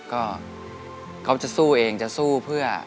ก็เขาจะสู้เองจะสู้เพื่อ